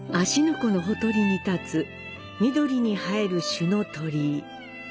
湖のほとりに立つ、緑に映える朱の鳥居。